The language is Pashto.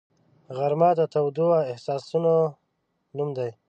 غرمه د تودو احساسونو نوم دی